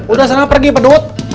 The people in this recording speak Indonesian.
udah sana pergi pedut